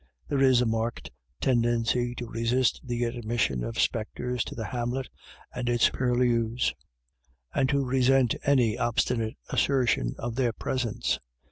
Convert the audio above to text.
There is a marked ten dency to resist the admission of spectres to the hamlet and its purlieus, and to resent any obstinate assertion of their presence.